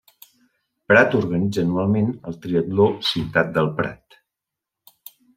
Prat organitza anualment el triatló 'Ciutat del Prat'.